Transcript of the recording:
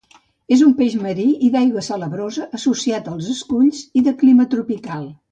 És un peix marí i d'aigua salabrosa, associat als esculls i de clima tropical.